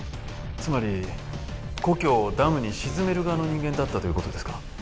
つまり故郷をダムに沈める側の人間だったということですか？